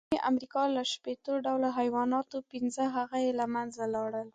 د جنوبي امریکا له شپېتو ډولو حیواناتو، پینځه هغه یې له منځه لاړل.